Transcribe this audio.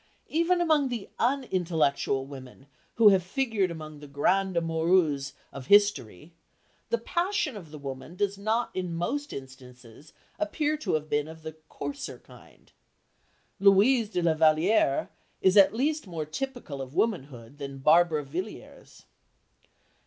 Even among the unintellectual women who have figured among the grandes amoureuses of history, the passion of the woman does not in most instances appear to have been of the coarser kind. Louise de la Vallière is at least more typical of womanhood than Barbara Villiers.